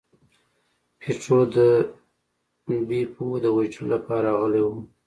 پیټرو د بیپو د وژلو لپاره راغلی و.